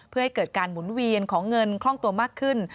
เพื่อให้เกิดการหมุนเวียนของเงินคล่องตัวมากขึ้น